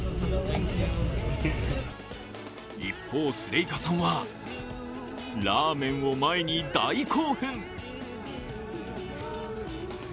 一方、スレイカさんはラーメンを前に大興奮。